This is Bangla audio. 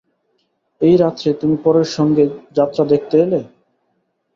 এই রাত্রে তুমি পরের সঙ্গে যাত্রা দেখতে এলে?